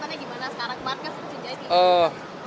pemerintah kemarin setelah jahit lima jahitan